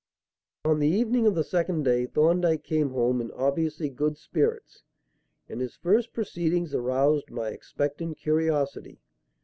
On the evening of the second day Thorndyke came home in obviously good spirits, and his first proceedings aroused my expectant curiosity.